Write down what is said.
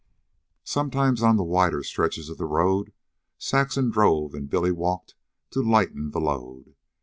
Sometimes, on the wider stretches of road, Saxon drove and Billy walked to lighten the load.